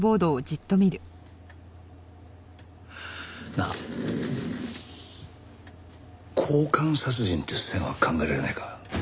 なあ交換殺人っていう線は考えられないか？